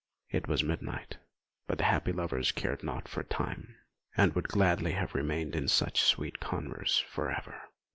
It was midnight; but the happy lovers cared naught for time, and would gladly have remained in such sweet converse for ever.